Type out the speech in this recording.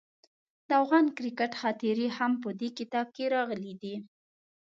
د افغان کرکټ خاطرې هم په دې کتاب کې راغلي دي.